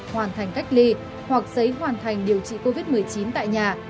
hoàn thành cách ly hoặc giấy hoàn thành điều trị covid một mươi chín tại nhà